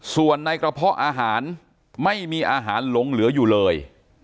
ส่วนในกระเพาะอาหารไม่มีอาหารหลงเหลืออยู่เลย